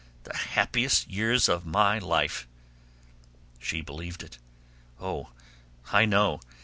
The happiest years of life." She believed it. "Oh, I know!